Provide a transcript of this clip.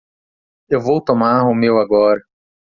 Eu vou tomar o meu agora.